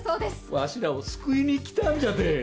わしらを救いに来たんじゃて！